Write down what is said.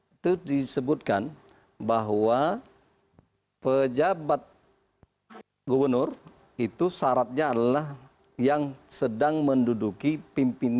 itu disebutkan bahwa pejabat gubernur itu syaratnya adalah yang sedang menduduki pimpinan